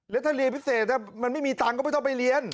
แล้วถ้าเรียนพิเศษมันไม่มีตังค์ก็ไม่ต้องไปเรียน